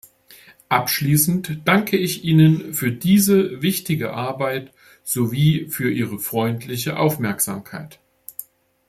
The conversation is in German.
Abschließend danke ich Ihnen für diese wichtige Arbeit sowie für Ihre freundliche Aufmerksamkeit.